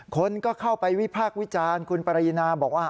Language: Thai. คนก็เข้าไปวิพากษ์วิจารณ์คุณปรินาบอกว่า